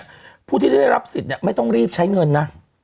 ผู้ที่ได้รับสิทธิ์ไม่ต้องรีบใช้เงินนะ